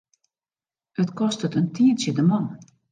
It kostet in tientsje de man.